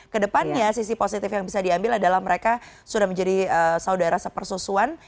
kedepannya sisi positif yang bisa diambil adalah mereka sudah menjadi saudara sepersusuan